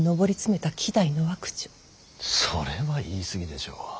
それは言い過ぎでしょう。